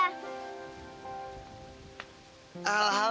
alhamdulillah ya allah